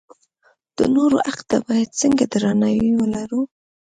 د نورو حق ته باید څنګه درناوی ولرو.